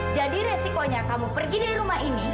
jadi resikonya kamu pergi dari rumah ini